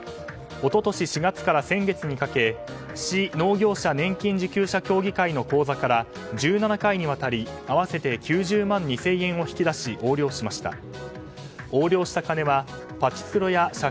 一昨年４月から先月にかけ市農業者年金受給者協議会の口座から１７回にわたり、合わせて９０万２０００円を引き出し横領しました。